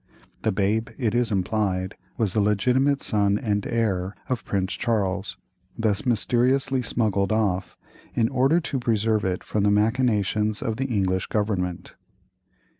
The babe, it is implied, was the legitimate son and heir of Prince Charles, thus mysteriously smuggled off in order to preserve it from the machinations of the English government.